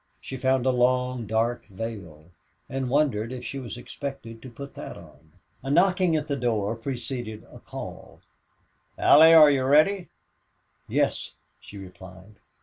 She found a long, dark veil and wondered if she was expected to put that on. A knocking at the door preceded a call, "Allie, are you ready?" "Yes," she replied.